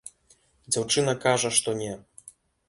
Дзяўчына кажа, што не.